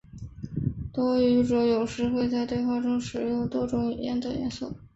多语者有时会在对话中使用多种语言的元素。